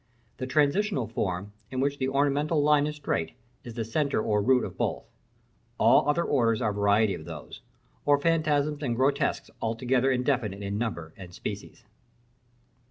The transitional form, in which the ornamental line is straight, is the centre or root of both. All other orders are varieties of those, or phantasms and grotesques altogether indefinite in number and species.